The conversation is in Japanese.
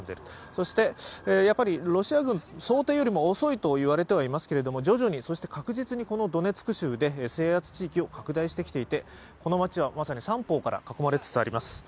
そしてロシア軍、想定よりも遅いとは言われていますけれども徐々にそして確実にこのドネツク州で制圧地域を拡大してきていて、この街はまさに三方から囲まれつつあります。